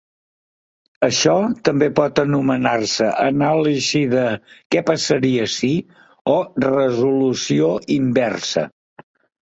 Això també pot anomenar-se anàlisi de "què passaria si ..." o "resolució inversa".